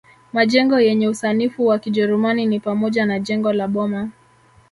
Majengo yenye usanifu wa kijerumani ni pamoja na jengo la Boma